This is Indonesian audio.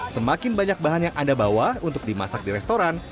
semakin banyak bahan yang anda bawa untuk dimasak di restoran